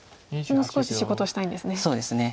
もう少し仕事したいんですね。